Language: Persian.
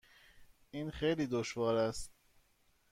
این خیلی دشوار است.